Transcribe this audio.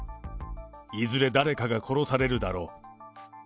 いずれ誰かが殺されるだろう。